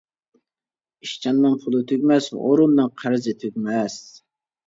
ئىشچاننىڭ پۇلى تۈگىمەس، ھۇرۇننىڭ قەرزى تۈگىمەس.